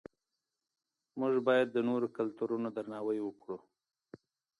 موږ باید د نورو کلتورونو درناوی وکړو.